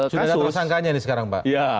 sudah ada tersangkanya ini sekarang pak